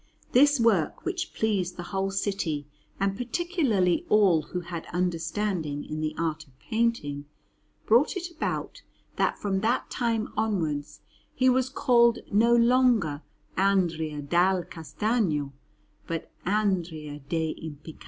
This work, which pleased the whole city and particularly all who had understanding in the art of painting, brought it about that from that time onwards he was called no longer Andrea dal Castagno but Andrea degl' Impiccati.